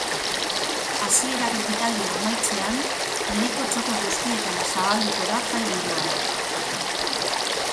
Hasierako ekitaldia amaitzean, hiriko txoko guztietara zabalduko da jai-giroa.